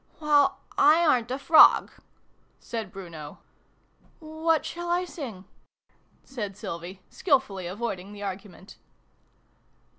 " Well, / aren't a frog," said Bruno. " What shall I sing ?" said Sylvie, skilfully avoiding the argument.